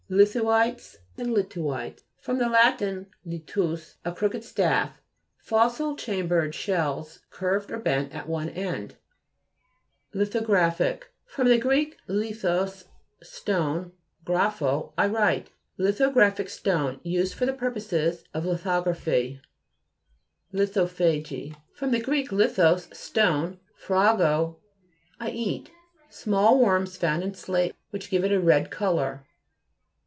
LITHU'ITES and LITU'ITES fr. lat. lituus, a crooked staff. Fossil chambered shells, curved or bent at one end (Jig 8). LITHOGHA'PHIC fr. gr. lithos, stone, grapho, I write. Lithographic stone, used for the purposes of lithography (p. 65). LITIIO'PHAGI fr. gr. lithos, stone, phago, I eat. Small worms found in slate which give it a red co lour.